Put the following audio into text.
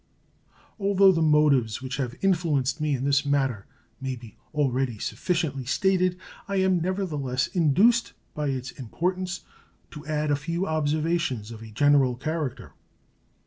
Although the motives which have influenced me in this matter may be already sufficiently stated, I am, never the less, induced by its importance to add a few observations of a general character.